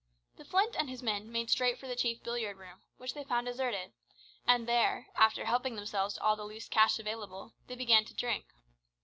The Flint and his men made straight for the chief billiard room, which they found deserted, and there, after helping themselves to all the loose cash available, they began to drink.